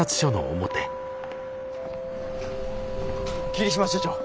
桐島署長。